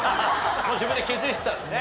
もう自分で気づいてたんだね。